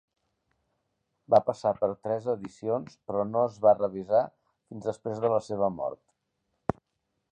Va passar per tres edicions però no es va revisar fins després de la seva mort.